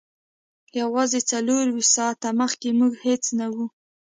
یوازې څلور ویشت ساعته مخکې موږ هیڅ نه وو